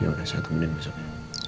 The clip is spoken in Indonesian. yaudah satu menit besok ya